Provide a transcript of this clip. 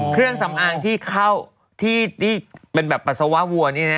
เครื่องสำอางที่เข้าที่เป็นแบบปัสสาวะวัวนี่นะ